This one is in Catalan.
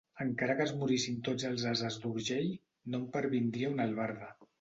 Encara que es morissin tots els ases d'Urgell, no em pervindria una albarda.